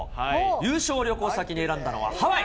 優勝旅行先に選んだのはハワイ。